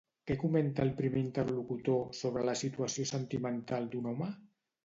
Què comenta el primer interlocutor sobre la situació sentimental d'un home?